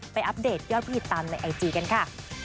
อัปเดตยอดผู้ติดตามในไอจีกันค่ะ